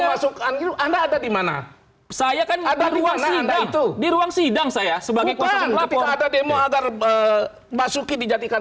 masukkan anda ada di mana saya kan ada di ruang sidang saya sebagai pasukan agar masukin dijadikan